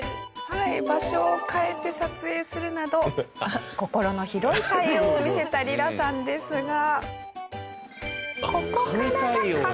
はい場所を変えて撮影するなど心の広い対応を見せたリラさんですが。